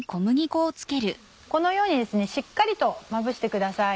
このようにしっかりとまぶしてください。